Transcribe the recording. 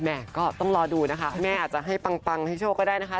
ก็ต้องรอดูนะคะแม่อาจจะให้ปังให้โชคก็ได้นะคะ